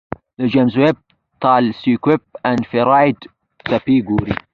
د جیمز ویب تلسکوپ انفراریډ څپې ګوري.